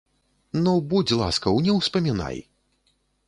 Ну, будзь ласкаў, не ўспамінай!